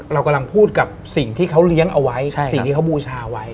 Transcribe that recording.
เรากำลังพูดกับสิ่งที่เขาเลี้ยงเอาไว้สิ่งที่เขาบูชาไว้